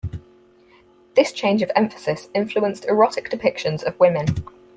This change of emphasis influenced erotic depictions of women.